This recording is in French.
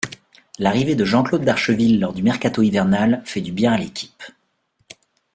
L'arrivée de Jean-Claude Darcheville lors du mercato hivernal fait du bien à l'équipe.